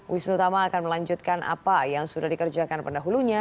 wisnu tama akan melanjutkan apa yang sudah dikerjakan pendahulunya